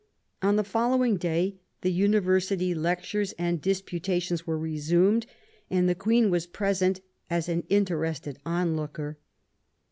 On the following day the University lectures and disputations were resumed, and the Queen was present as an interested onlooker.